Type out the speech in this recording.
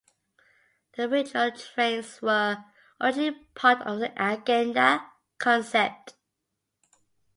The regional trains were originally part of the Agenda concept.